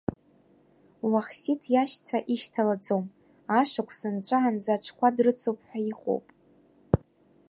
Уахсиҭ иашьцәа ишьҭалаӡом, ашықәс нҵәаанӡа аҽқәа дрыцуп ҳәа иҟоуп.